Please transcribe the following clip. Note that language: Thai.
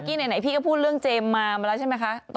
คู่จิน